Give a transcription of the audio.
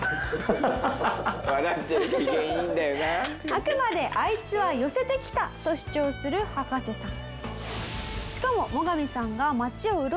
あくまであいつは寄せてきたと主張する葉加瀬さん。